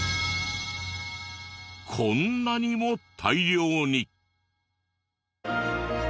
こんなにも大量に！